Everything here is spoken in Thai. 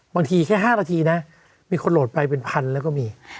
แค่๕นาทีนะมีคนโหลดไปเป็นพันแล้วก็มี